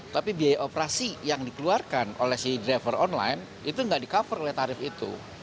tapi biaya operasi yang dikeluarkan oleh si driver online itu tidak di cover oleh tarif itu